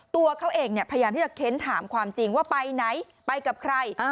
ตัวเขาเองพยายามที่จะเค้นถามความจริงว่าไปไหนไปกับใคร